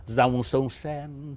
giọng sông sen